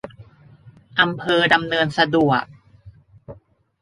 อำเภอดำเนินสะดวก